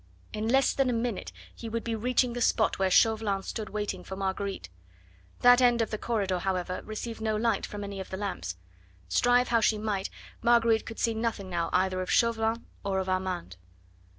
In less than a minute he would be reaching the spot where Chauvelin stood waiting for Marguerite. That end of the corridor, however, received no light from any of the lamps; strive how she might, Marguerite could see nothing now either of Chauvelin or of Armand.